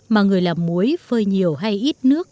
mà người làm muối phơi nhiều hay ít nước